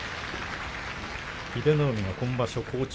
英乃海は今場所好調。